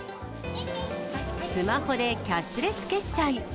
スマホでキャッシュレス決済。